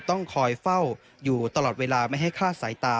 ต้องคอยเฝ้าอยู่ตลอดเวลาไม่ให้คลาดสายตา